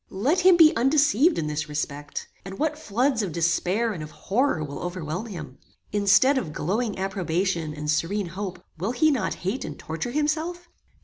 "Let him be undeceived in this respect, and what floods of despair and of horror will overwhelm him! Instead of glowing approbation and serene hope, will he not hate and torture himself?